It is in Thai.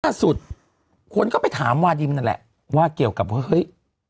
ล่าสุดคนก็ไปถามวาดิมนั่นแหละว่าเกี่ยวกับว่าเฮ้ย